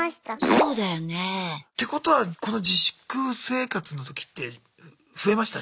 そうだよね。ってことはこの自粛生活の時って増えました？